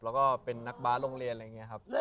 แล้วก็เป็นนักบาสโรงเรียนอะไรอย่างนี้ครับ